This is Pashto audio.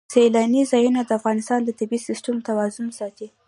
سیلانی ځایونه د افغانستان د طبعي سیسټم توازن ساتي.